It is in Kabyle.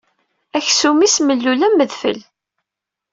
Aksum-is mellul am wedfel.